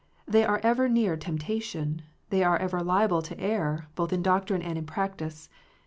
They are ever near tempta tion : they are ever liable to err, both in doctrine and in practice.